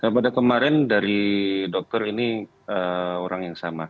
pada kemarin dari dokter ini orang yang sama